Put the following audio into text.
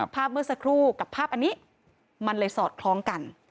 เมื่อสักครู่กับภาพอันนี้มันเลยสอดคล้องกัน